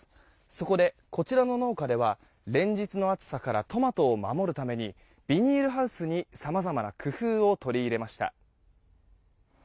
そこで、こちらの農家では連日の暑さからトマトを守るためにビニールハウスにさまざまな工夫を取り入れました。